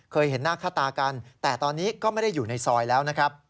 เห็นหน้าค่าตากันแต่ตอนนี้ก็ไม่ได้อยู่ในซอยแล้วนะครับ